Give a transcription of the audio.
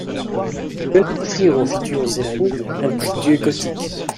Il venait d'offrir aux futurs époux un prie-Dieu gothique.